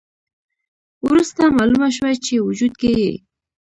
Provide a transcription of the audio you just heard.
وروسته مالومه شوه چې وجود کې یې